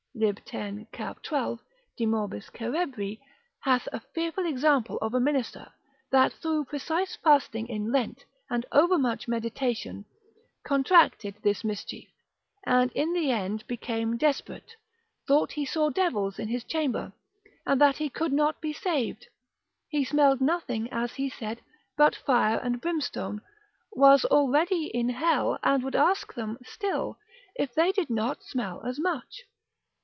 lib. 10. cap. 12. de morbis cerebri, hath a fearful example of a minister, that through precise fasting in Lent, and overmuch meditation, contracted this mischief, and in the end became desperate, thought he saw devils in his chamber, and that he could not be saved; he smelled nothing, as he said, but fire and brimstone, was already in hell, and would ask them, still, if they did not smell as much.